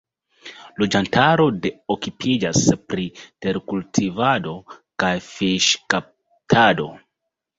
Loĝantaro de okupiĝas pri terkultivado kaj fiŝkaptado.